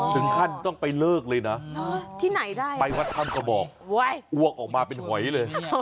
ถึงขั้นต้องไปเลิกเลยน่ะที่ไหนแบตวัคทรัพย์ก็บอกหววกออกมาเป็นหอยเลย